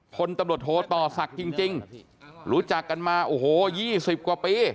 พลตำรวจโทต่อศักดิ์จริงรู้จักกันมาโอ้โห๒๐กว่าปี